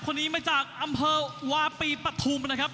คนนี้มาจากอำเภอวาปีปฐุมนะครับ